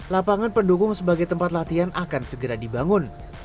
lapangan pendukung sebagai tempat latihan akan segera dibangun